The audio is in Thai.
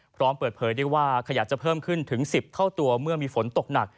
พร้อมเปิดเผยได้ว่าขยะจะเพิ่มขึ้นถึง๑๐เท่าตัวเมื่อมีฝนตกหนัก